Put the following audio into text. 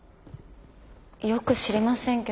よく知りませんけど。